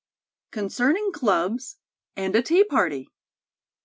CONCERNING CLUBS, AND A TEA PARTY.